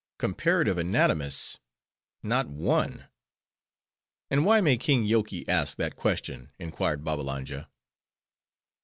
"Comparative Anatomists! not one." "And why may King Yoky ask that question?" inquired Babbalanja.